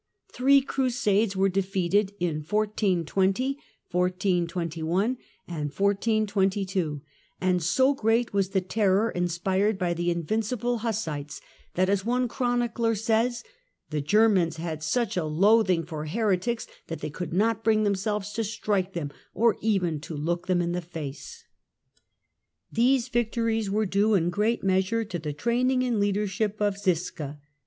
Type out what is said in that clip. Three Crusades were defeated in 1420, 1421 Hussite ..,, victories, and 1422 ; and so great was the terror mspn ed by the 1420 22 invincible Hussites that, as one Chronicler says :" The Germans had such a loathing for heretics that they could not bring themselves to strike them, or even to look them in the face ". These victories were due in great measure to theZiska's training and leadership of Ziska.